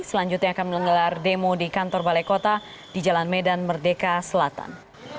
selanjutnya akan menggelar demo di kantor balai kota di jalan medan merdeka selatan